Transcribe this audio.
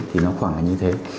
thì nó khoảng là như thế